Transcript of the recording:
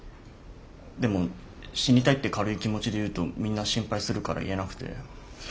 でも死にたいって軽い気持ちで言うとみんな心配するから言えなくて。